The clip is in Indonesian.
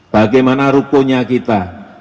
bagaimana rukunya kita